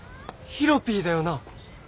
ヒロピーだよな？